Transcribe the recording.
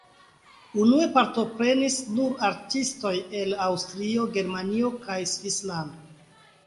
Unue partoprenis nur artistoj el Aŭstrio, Germanio kaj Svislando.